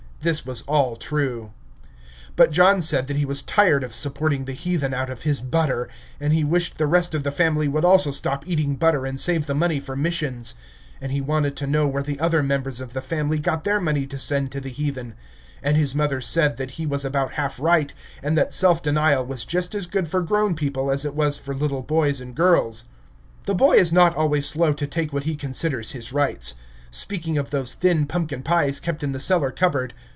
This was all true. But John said that he was tired of supporting the heathen out of his butter, and he wished the rest of the family would also stop eating butter and save the money for missions; and he wanted to know where the other members of the family got their money to send to the heathen; and his mother said that he was about half right, and that self denial was just as good for grown people as it was for little boys and girls. The boy is not always slow to take what he considers his rights. Speaking of those thin pumpkin pies kept in the cellar cupboard.